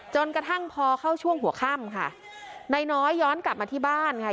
จนกระทั่งพอเข้าช่วงหัวค่ำค่ะนายน้อยย้อนกลับมาที่บ้านค่ะ